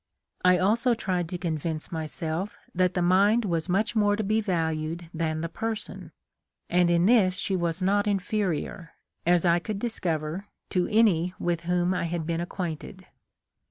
I also tried to convince myself that the mind was much more to be valued than the person ; and in this she was not inferior, as I could discover, to any with whom I had been acquainted.